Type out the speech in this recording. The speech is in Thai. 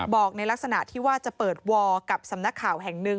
บอกในลักษณะที่ว่าจะเปิดวอร์กับสำนักข่าวแห่งหนึ่ง